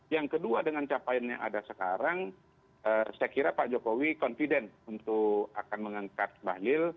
yang kedua dengan capaian yang ada sekarang saya kira pak jokowi confident untuk akan mengangkat bahlil